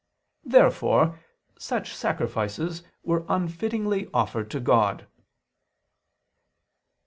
Therefore such sacrifices were unfittingly offered to God.